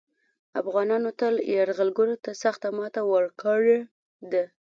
افغانانو تل یرغلګرو ته سخته ماته ورکړې ده